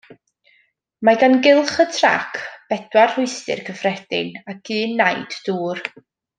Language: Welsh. Mae gan gylch y trac bedwar rhwystr cyffredin ac un naid dŵr.